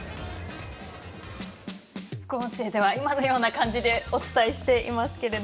副音声では今のようにお伝えしていますが。